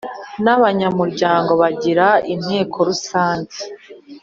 n abanyamuryango bagize Inteko Rusange